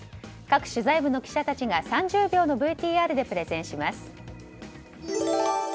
各取材部の記者たちが３０秒のＶＴＲでプレゼンします。